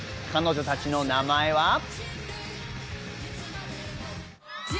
彼女たちの名前は。